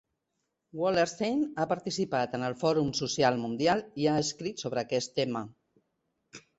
Wallerstein ha participat en el Fòrum Social Mundial i ha escrit sobre aquest tema.